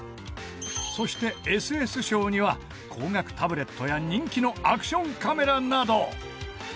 そしてＳＳ賞には高額タブレットや人気のアクションカメラなど。